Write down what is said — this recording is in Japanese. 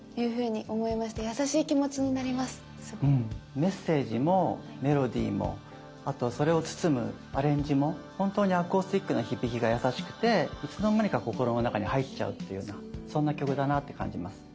メッセージもメロディーもあとそれを包むアレンジも本当にアコースティックな響きが優しくていつの間にか心の中に入っちゃうっていうようなそんな曲だなって感じます。